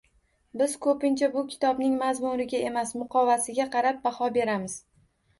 Biz qo‘pincha bu kitobning mazmuniga emas, muqovasiga qarab, baho beramiz